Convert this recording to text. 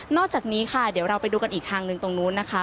จากนี้ค่ะเดี๋ยวเราไปดูกันอีกทางหนึ่งตรงนู้นนะคะ